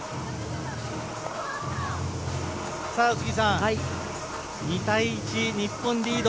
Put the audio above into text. さあ、宇津木さん２対１、日本リード。